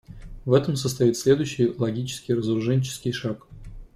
В этом состоит следующий логический разоруженческий шаг.